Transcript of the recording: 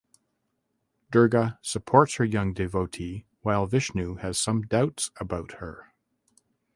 Durga supports her young devotee while Vishnu has some doubts about her.